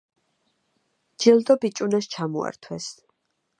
ჯილდო ბიჭუნას ჩამოართვეს.